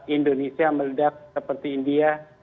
indonesia meledak seperti india